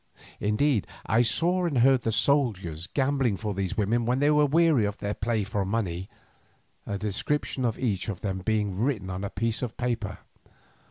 Indeed I saw and heard the soldiers gambling for these women when they were weary of their play for money, a description of each of them being written on a piece of paper.